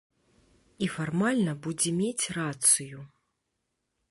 І фармальна будзе мець рацыю.